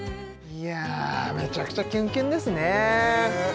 めちゃくちゃキュンキュンですねねえ